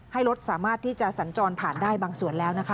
ให้รถสามารถที่จะสัญจรผ่านได้บางส่วนแล้วนะคะ